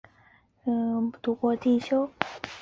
防卫大学校开放予外国学生进修研读。